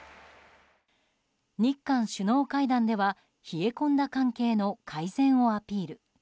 日韓首脳会談では、冷え込んだ関係の改善をアピール。